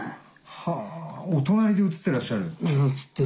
はあお隣で写ってらっしゃる。